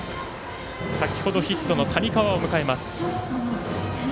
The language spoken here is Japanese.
先ほどヒットの谷川、迎えます。